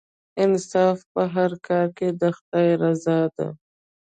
انصاف په هر کار کې د خدای رضا ده.